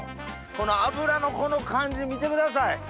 この脂の感じ見てください。